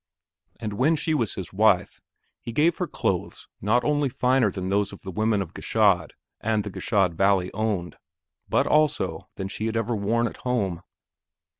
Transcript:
And when she was his wife, he gave her clothes not only finer than those the women of Gschaid and the Gschaid valley owned, but also than she had ever worn at home.